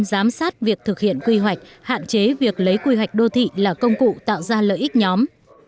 giám sát việc thực hiện quy hoạch hạn chế việc lấy quy hoạch đô thị là công cụ tạo ra lợi ích nhóm